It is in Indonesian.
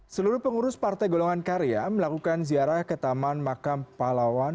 seluruh pengurus partai golongan karya melakukan ziarah ke taman makam palawan